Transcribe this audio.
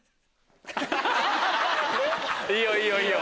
いいよいいよいいよ！